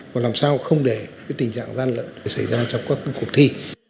và làm sao không để tình trạng gian lận xảy ra trong các cuộc thi